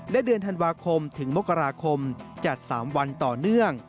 และเดือนธันวาคมถึงมกราคมจัด๓วันต่อเนื่อง